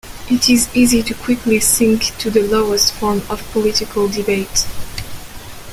It is easy to quickly sink to the lowest form of political debate.